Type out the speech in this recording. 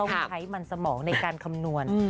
ว่าใครต้องมันใช้สมองในการคำนวณ